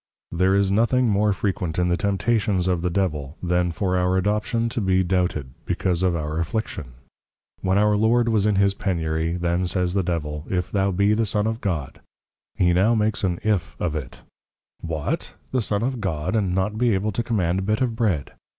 There is nothing more Frequent in the Temptations of the Devil, then for our Adoption to be doubted, because of our Affliction. When our Lord was in his Penury, then says the Devil, If thou be the Son of God; he now makes an If, of it; _What? the Son of God, and not be able to Command a Bit of Bread!